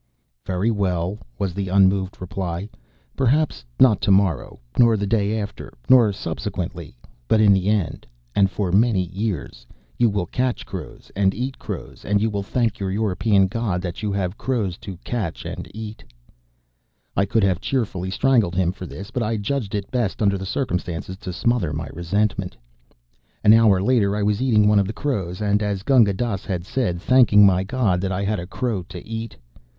"Very well," was the unmoved reply. "Perhaps not to morrow, nor the day after, nor subsequently; but in the end, and for many years, you will catch crows and eat crows, and you will thank your European God that you have crows to catch and eat." I could have cheerfully strangled him for this; but judged it best under the circumstances to smother my resentment. An hour later I was eating one of the crows; and, as Gunga Dass had said, thanking my God that I had a crow to eat.